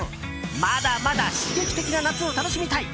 まだまだ刺激的な夏を楽しみたい！